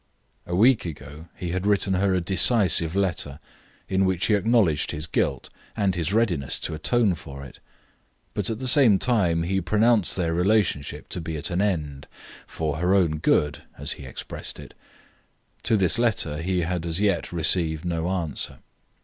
A week ago he had written her a decisive letter, in which he acknowledged his guilt, and his readiness to atone for it; but at the same time he pronounced their relations to be at an end, for her own good, as he expressed it. To this letter he had as yet received no answer.